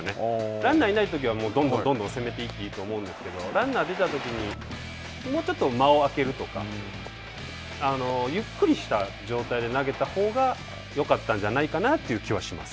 ランナーいないときはもうどんどんどんどん攻めていっていいと思うんですけど、ランナーが出たときに、もうちょっと間をあけるとか、ゆっくりした状態で投げたほうがよかったんじゃないかなという気はします。